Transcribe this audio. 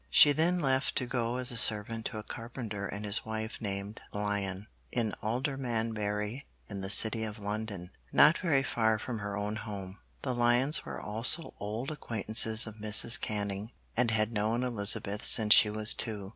She then left to go as servant to a carpenter and his wife named Lyon, in Aldermanbury in the City of London, not very far from her own home. The Lyons were also old acquaintances of Mrs. Canning, and had known Elizabeth since she was two.